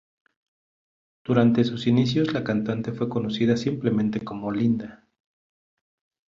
Durante sus inicios la cantante fue conocida simplemente como Lynda.